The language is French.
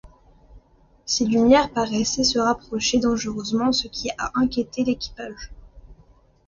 Ces lumières paraissaient se rapprocher dangereusement, ce qui a inquiété l'équipage.